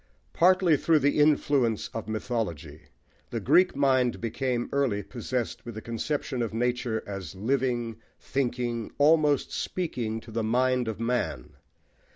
Partly through the influence of mythology, the Greek mind became early possessed with the conception of nature as living, thinking, almost speaking to the mind of man.